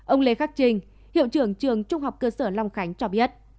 ông lê khắc trình hiệu trưởng trường trung học cơ sở long khánh cho biết